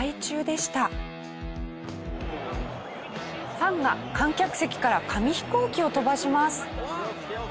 ファンが観客席から紙飛行機を飛ばします。